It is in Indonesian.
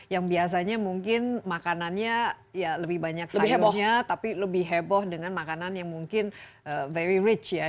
yang biasanya mungkin makanannya ya lebih banyak sayurnya tapi lebih heboh dengan makanan yang mungkin very rich ya